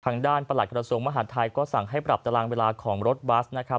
ทางด้านประหลักฐาสวงศ์มหาดไทยก็สั่งให้ปรับตารางเวลาของรถบัสนะครับ